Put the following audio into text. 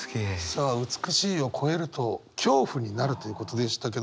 さあ美しいを超えると恐怖になるということでしたけど。